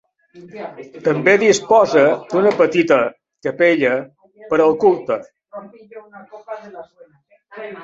També disposa d'una petita capella per al culte.